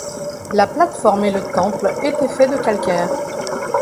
La plate-forme et le temple étaient faits de calcaire.